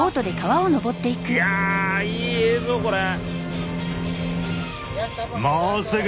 いやいい映像これ。